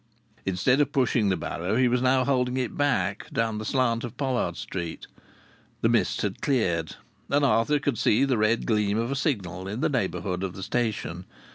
Instead of pushing the barrow he was now holding it back, down the slant of Pollard Street. The mist had cleared. And Arthur could see the red gleam of a signal in the neighbourhood of the station.